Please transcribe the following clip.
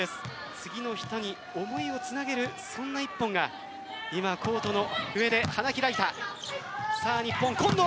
次の人に思いをつなげるそんな１本が今、コートの上で花開いた。